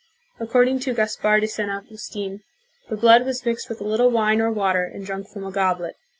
According to Gaspar de San Augustfn, the blood was mixed with a little wine or water and drunk from a goblet.